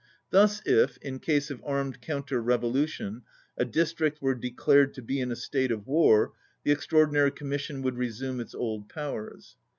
Thus if, in case of armed counter revolution, a dis trict were declared to be in a state of war, the Extraordinary Commission would resume its old powers.